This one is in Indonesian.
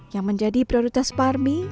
yang menjadi prioritas parmi